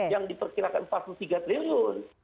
yang diperkirakan rp empat puluh tiga triliun